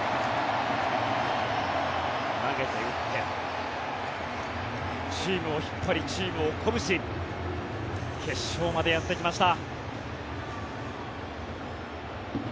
投げて打ってチームを引っ張りチームを鼓舞し決勝までやってきました。